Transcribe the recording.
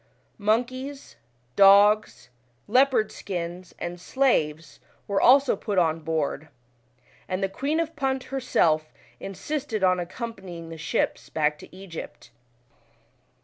Mon keys, dogs, leopard skins, and slaves, were also put on board, and the Queen of Punt herself insisted on accompanying the ships back to Egypt.